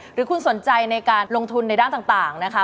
หรือคุณสนใจในการลงทุนในด้านต่างนะคะ